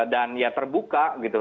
dan ya terbuka gitu